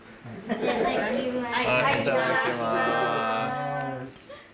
いただきます。